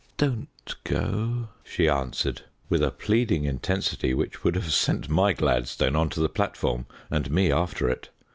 "Don't go," she answered, with a pleading intensity which would have sent my Gladstone on to the platform and me after it.